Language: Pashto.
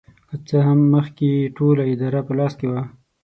که څه هم مخکې یې ټوله اداره په لاس کې وه.